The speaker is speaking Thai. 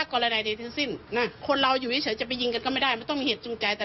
แม่ก็เลยบอกให้มามอบตัวตายไม่อย่างนั้นคงไม่กล้าก่อเหตุขนาดนี้